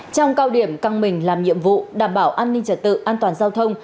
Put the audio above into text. trong cao điểm căng mình làm nhiệm vụ đảm bảo an ninh trật tự an toàn giao thông